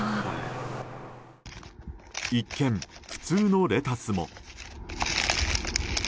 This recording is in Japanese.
一見、普通のレタスも。